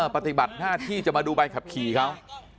ปฏิบัติหน้าที่จะมาดูใบขับขี่เขา